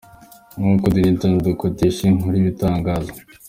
Nk’uko The Newtimes dukesha iyi nkuru ibitangaza.